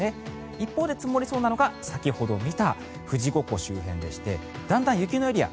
一方で、積もりそうなのが先ほど見た富士五湖周辺でしてだんだん雪のエリア